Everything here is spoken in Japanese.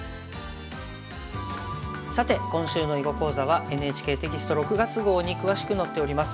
さて今週の囲碁講座はＮＨＫテキスト６月号に詳しく載っております。